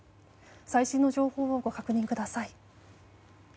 最新の情報をご確認ください。